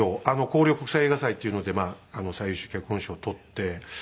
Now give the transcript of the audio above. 江陵国際映画祭っていうので最優秀脚本賞をとって。